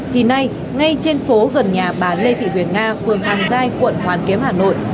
thì nay ngay trên phố gần nhà bà lê thị huyền nga phường hàng gai quận hoàn kiếm hà nội